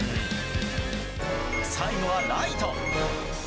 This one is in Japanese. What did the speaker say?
最後はライト。